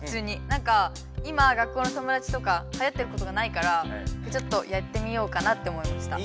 なんか今学校の友だちとかはやってることがないからちょっとやってみようかなと思いました。